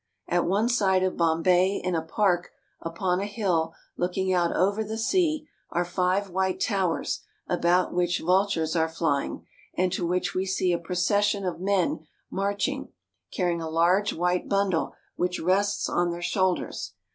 At one side of Bombay in a park upon a hill looking out over the sea are five white towers about which vultures are flying and to which we see a procession of men march ing, carrying a long white bundle which rests on their shoulders.